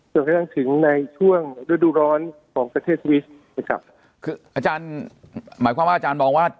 กระทั่งถึงในช่วงฤดูร้อนของประเทศสวิสนะครับคืออาจารย์หมายความว่าอาจารย์มองว่า